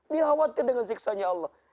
dia khawatir dengan siksanya allah